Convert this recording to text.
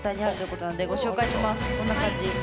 こんな感じ。